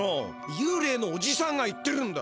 ゆうれいのおじさんが言ってるんだ。